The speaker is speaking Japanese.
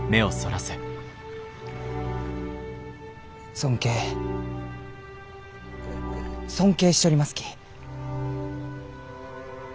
尊敬尊敬しちょりますき。